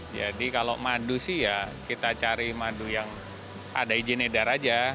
jadi kalau madu sih ya kita cari madu yang ada izin edar aja